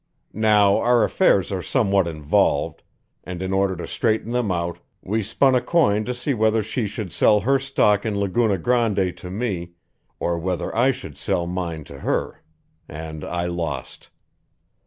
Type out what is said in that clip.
Now, our affairs are somewhat involved, and in order to straighten them out, we spun a coin to see whether she should sell her stock in Laguna Grande to me or whether I should sell mine to her and I lost.